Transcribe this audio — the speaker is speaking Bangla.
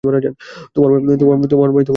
তোমার ভাই তোমাকে কিছু বলবে।